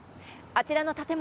あちらの建物